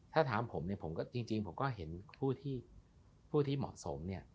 ถ้าถามผมเนี่ยผมก็จริงผมก็เห็นผู้ที่เหมาะสมเนี่ย